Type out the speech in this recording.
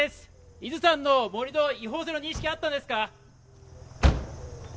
伊豆山の盛り土は違法という認識はあったんですか？